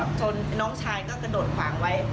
แล้วก็ชนแฟนหนูน้องชายก็กระโดดขวางไว้